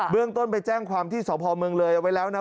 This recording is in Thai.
เรื่องต้นไปแจ้งความที่สพเมืองเลยเอาไว้แล้วนะ